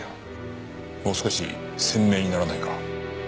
もう少し鮮明にならないか？